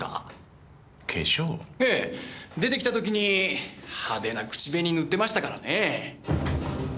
ええ。出てきた時に派手な口紅塗ってましたからね。